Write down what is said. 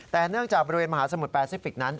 แต่เนื่องจากบริเวณมหาสมุทรแปซิฟิกนั้น